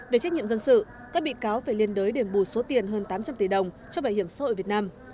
về trách nhiệm dân sự các bị cáo phải liên đối để bù số tiền hơn tám trăm linh tỷ đồng cho bảo hiểm xã hội việt nam